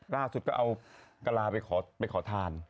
ล่าสุดก็เอากะลาไปขอทาน